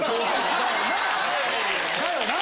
・だよな！